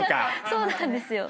そうなんですよ。